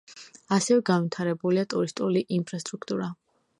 ასევე განვითარებულია ტურისტული ინფრასტრუქტურა.